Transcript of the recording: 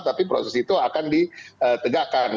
tapi proses itu akan ditegakkan